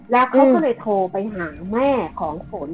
แล้วเขาก็เลยโทรไปหาแม่ของฝน